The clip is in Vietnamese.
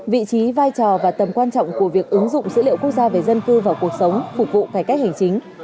vị trí vai trò và tầm quan trọng của việc ứng dụng dữ liệu quốc gia về dân cư vào cuộc sống phục vụ cải cách hành chính